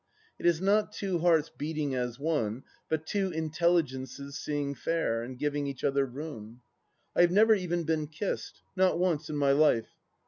It is not two hearts beating as one, but two intelligences seeing fair, and giving each other room. ... I have never even been kissed. Not once in my life.